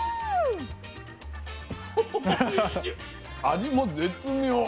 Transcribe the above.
味も絶妙。